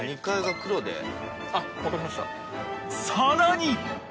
［さらに］